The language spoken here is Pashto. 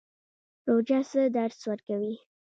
روژه څه درس ورکوي؟